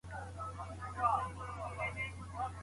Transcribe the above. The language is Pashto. څوک په دې باور دی چي یوازي زیار د بریا کیلي ده؟